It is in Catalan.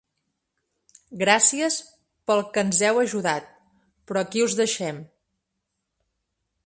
Gràcies pel que ens heu ajudat, però aquí us deixem!